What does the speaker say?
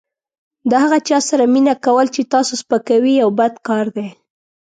د هغه چا سره مینه کول چې تا سپکوي یو بد کار دی.